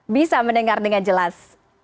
bisa mendengar dengan jelas